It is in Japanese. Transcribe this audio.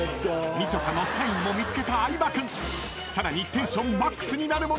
［みちょぱのサインも見つけた相葉君。